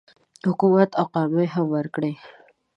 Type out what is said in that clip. حکومت اقامې هم ورکړي.